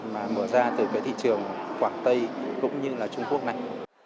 mà mở ra từ cái thị trường quảng tây cũng như là trung quốc này